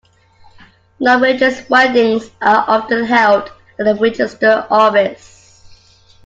Non-religious weddings are often held at a Register Office